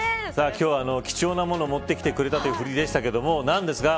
今日は貴重なものを持ってきてくれたというフリでしたけど何ですか。